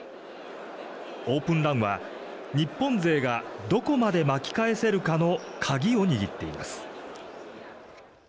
オープンＲＡＮは日本勢がどこまで巻き返せるかの鍵を握っています。